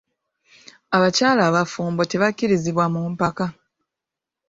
Abakyala abafumbo tebakkirizibwa mu mpaka.